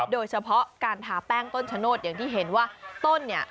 โดยเฉพาะการทาแป้งต้นชะโนธอย่างที่เห็นว่าต้นเนี่ย